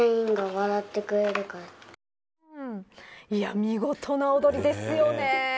見事な踊りですよね。